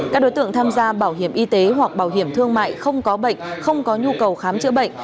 các đối tượng tham gia bảo hiểm y tế hoặc bảo hiểm thương mại không có bệnh không có nhu cầu khám chữa bệnh